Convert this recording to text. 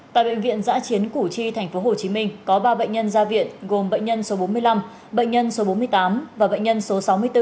tại bệnh viện giã chiến củ chi tp hcm có ba bệnh nhân ra viện gồm bệnh nhân số bốn mươi năm bệnh nhân số bốn mươi tám và bệnh nhân số sáu mươi bốn